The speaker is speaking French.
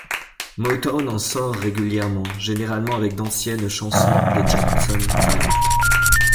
Motown en sort régulièrement, généralement avec d'anciennes chansons des Jackson Five.